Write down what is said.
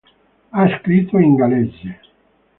Ha scritto in gallese.